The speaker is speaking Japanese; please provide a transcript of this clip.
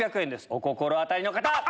お心当たりの方！